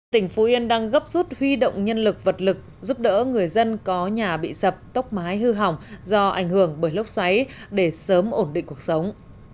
tỉnh phú yên đang gấp rút huy động nhân lực vật lực giúp đỡ người dân có nhà bị sập tốc mái hư hỏng do ảnh hưởng bởi lốc xoáy để sớm ổn định cuộc sống